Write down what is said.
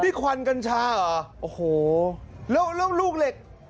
นี่ควันกัญชาเหรอโอ้โหแล้วแล้วลูกเหล็ก